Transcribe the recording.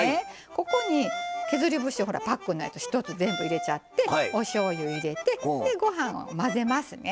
ここに削り節パックのやつ１つ全部入れちゃっておしょうゆ入れてご飯を混ぜますね。